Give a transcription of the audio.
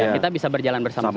kita bisa berjalan bersama sama